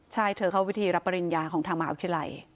ใช่เธอเข้าวิธีรับปริญญาของทางมหาวิทยาลัย